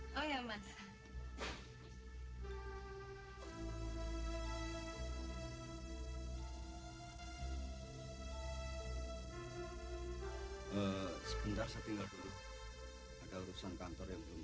kamu telah menjalankan wajiban kamu sebagai seorang imam